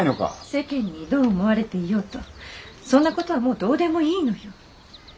世間にどう思われていようとそんな事はもうどうでもいいのよ。